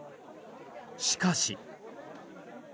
しかし。